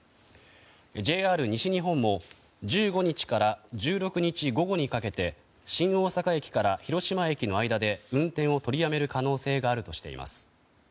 ＪＲ西日本も１５日から１６日午後にかけて新大阪駅から広島駅の間で運転を取りやめる可能性があるとしています。